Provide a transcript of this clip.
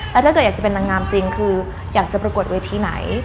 แล้วถ้าเกิดอยากจะเป็นนางงามจริงคืออยากจะประกวดเวทีไหน